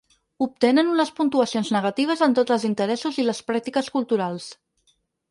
Obtenen unes puntuacions negatives en tots els interessos i les pràctiques culturals.